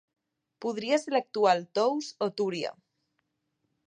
Podria ser l'actual Tous o Túria.